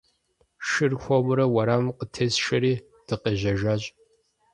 Шыр хуэмурэ уэрамым къытесшэри, дыкъежьэжащ.